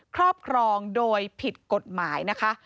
ครอบครองโดยผิดกฎหมายนะคะ